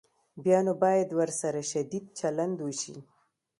بیا نو باید ورسره شدید چلند وشي.